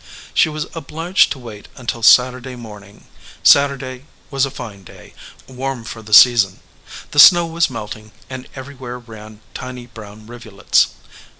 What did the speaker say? She was obliged to wait until Saturday morning. Saturday was a fine day, warm for the season. The snow was melting and everywhere ran tiny brown rivulets.